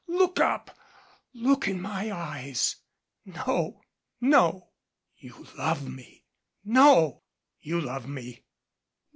Look up. Look in my eyes " "No! No!" "You love me." "No!" "You love me."